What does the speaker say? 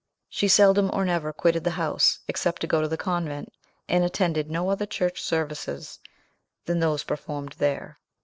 She seldom or never quitted the house, except to go to the convent, and attended no other church services than those performed there.